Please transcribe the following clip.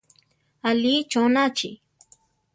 Alíi chónachi.